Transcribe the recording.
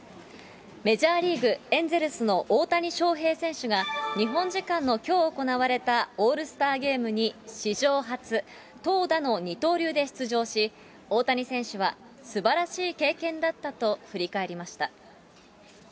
メジャーリーグ・エンゼルスの大谷翔平選手が、日本時間のきょう行われたオールスターゲームに、史上初、投打の二刀流で出場し、大谷選手は、すばらしい経験だったと振り返りました。